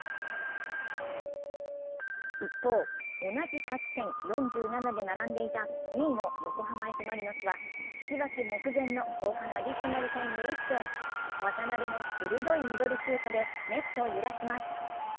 一方、同じ勝ち点４７で並んでいた２位の横浜Ｆ・マリノスは、引き分け目前の後半アディショナルタイム１分、渡辺の鋭いミドルシュートでネットを揺らします。